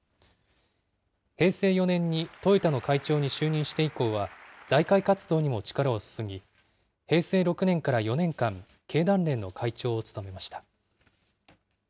平成４年にトヨタの会長に就任して以降は、財界活動にも力を注ぎ、平成６年から４年間、経団連の会長を務めました。